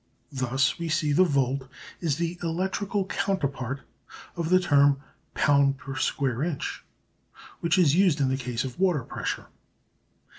Thus we see the volt is the electrical counterpart of the term "pound per square inch" which is used in the case of water pressure.